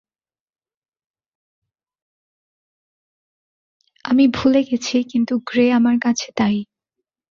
আমি ভুলে গেছি, কিন্তু গ্রে আমার কাছে তাই।